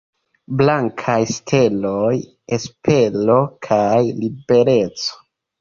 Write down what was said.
Blankaj steloj: espero kaj libereco.